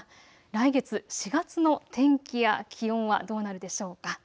来月、４月の天気や気温はどうなるでしょうか。